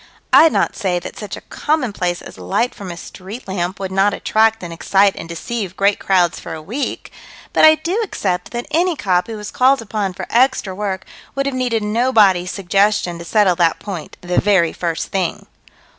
I'd not say that such a commonplace as light from a street lamp would not attract and excite and deceive great crowds for a week but I do accept that any cop who was called upon for extra work would have needed nobody's suggestion to settle that point the very first thing.